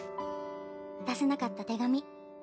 出せなかった手紙。